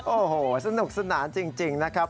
โอ้โหสนุกสนานจริงนะครับ